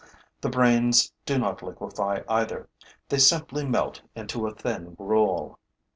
The brains do not liquefy either: they simply melt into a thin gruel.